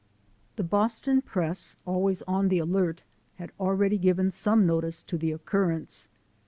The Boston press, always on the alert, had al ready given some notice to the occurrence.